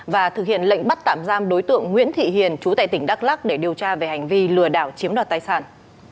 và thực hiện lệnh bắt tạm giam đối tượng nguyễn thị hiền chú tại tỉnh đắk lắc để điều tra về hành vi lừa đảo chiếm đoạt tài sản